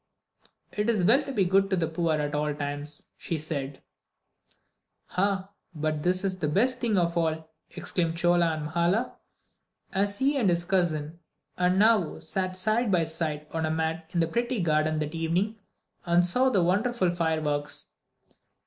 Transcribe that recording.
"It is well to be good to the poor at all times," she said. "Ah, but this is the best thing of all!" exclaimed Chola to Mahala, as he and his cousin and Nao sat side by side on a mat in the pretty garden that evening and saw the wonderful fireworks.